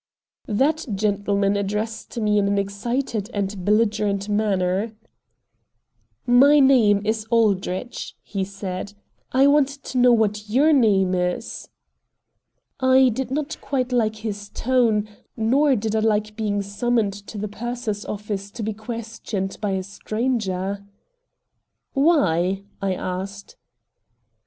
That gentleman addressed me in an excited and belligerent manner. "My name is Aldrich," he said; "I want to know what YOUR name is?" I did not quite like his tone, nor did I like being summoned to the purser's office to be questioned by a stranger. "Why?" I asked.